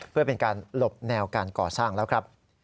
เพื่อเป็นการหลบแนวการก่อสร้างแล้วครับ